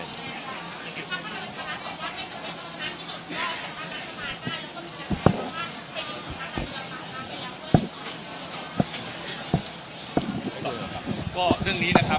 คุณคิดเรื่องนี้ได้ไหม